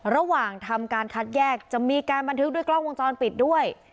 ระหว่างทำการคัดแยกจะมีการบันทึกด้วยกล้องวงจรปิดด้วย